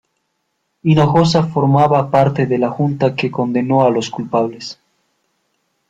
Hinojosa formaba parte de la junta que condenó a los culpables.